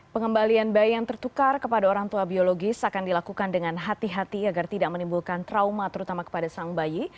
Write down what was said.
pengembalian bayi yang tertukar kepada orang tua biologis akan dilakukan dengan hati hati agar tidak menimbulkan trauma terutama kepada sang bayi